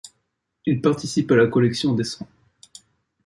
Il participe à la Collection des cent.